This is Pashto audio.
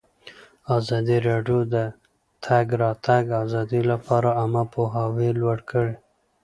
ازادي راډیو د د تګ راتګ ازادي لپاره عامه پوهاوي لوړ کړی.